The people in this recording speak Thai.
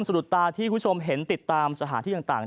หลุดตาที่คุณผู้ชมเห็นติดตามสถานที่ต่าง